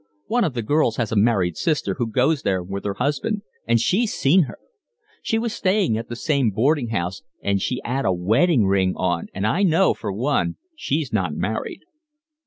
One of the girls has a married sister who goes there with her husband, and she's seen her. She was staying at the same boarding house, and she 'ad a wedding ring on, and I know for one she's not married."